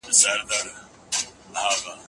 انا خپل لړزېدلي لاسونه د سترگو مخې ته ونیول.